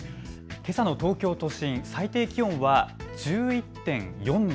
けさの東京都心最低気温は１１．４度。